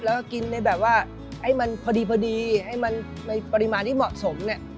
แล้วก็กินในแบบว่าให้มันพอดีให้มันในปริมาณที่เหมาะสมเนี่ย